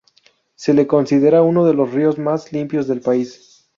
Se le considera uno de los ríos más limpios del país.